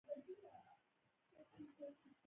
په وریښتانو کې یې ګوتې وهلې او ویې ویل.